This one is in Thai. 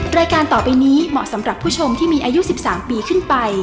รายการต่อไปนี้เหมาะสำหรับผู้ชมที่มีอายุ๑๓ปีขึ้นไป